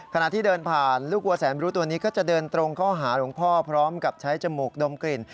ขณะที่เดินผ่านลูกวัวแสนรู้ตัวนี้ก็จะเดินตรงเข้าหาหลวงพ่อพร้อมกับใช้จมูกดมกลิ่น